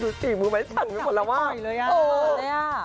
จับไม่ปล่อยเลยนะ